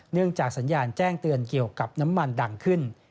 เนื่องจากสัญญาณแจ้งเตือนเกี่ยวกับน้ำมันดังขึ้น